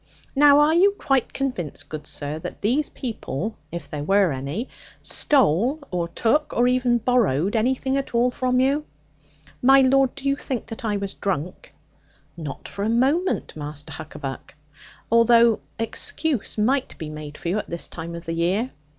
Now, are you quite convinced, good sir, that these people (if there were any) stole, or took, or even borrowed anything at all from you?' 'My lord, do you think that I was drunk?' 'Not for a moment, Master Huckaback. Although excuse might be made for you at this time of the year.